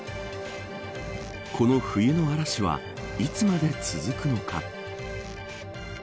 この冬の嵐はいつまで続くのか。